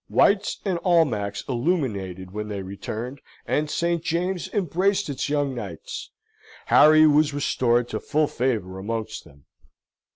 White's and Almack's illuminated when they returned, and St. James's embraced its young knights. Harry was restored to full favour amongst them.